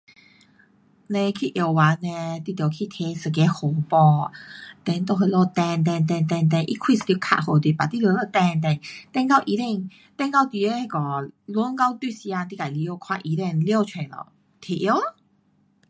嘞，去药房嘞你得去拿一个号码 ,then 在哪里等，等，等，等，等等，它开一张卡给你，but 你得在那里等等，等到医生，等到你得那个轮到你的时间你自己进去看医生，了出咯拿提要咯。